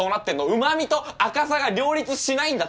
うまみと赤さが両立しないんだって。